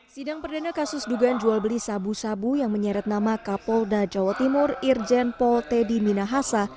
sidang perdana kasus dugaan jual beli sabu sabu yang menyeret nama kapolda jawa timur irjen pol teddy minahasa